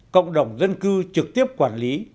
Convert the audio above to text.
cộng đồng dân cư trực tiếp quản lý